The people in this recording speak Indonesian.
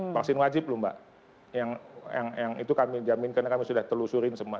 vaksin wajib lho mbak yang itu kami jamin karena kami sudah telusurin semua